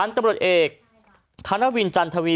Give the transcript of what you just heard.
ตำรวจเอกธนวินจันทวี